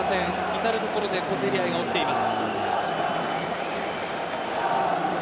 至る所で小競り合いが起きています。